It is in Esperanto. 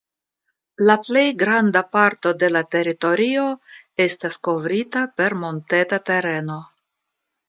La plej granda parto de la teritorio estas kovrita per monteta tereno.